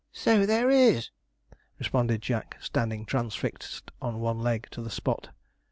'So there is,' responded Jack, standing transfixed on one leg to the spot.